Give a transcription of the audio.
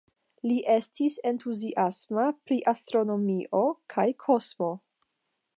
Li estis entuziasma pri astronomio kaj kosmo.